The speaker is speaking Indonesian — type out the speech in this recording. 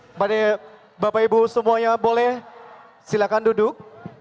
kepada bapak ibu semuanya boleh silakan duduk